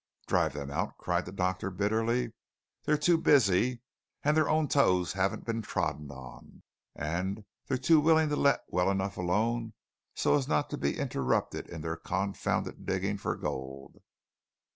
"Drive them out!" cried the doctor bitterly; "they're too busy, and their own toes haven't been trodden on, and they're too willing to let well enough alone so as not to be interrupted in their confounded digging for gold."